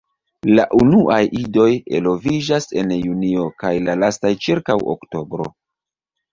La unuaj idoj eloviĝas en Junio kaj la lastaj ĉirkaŭ Oktobro.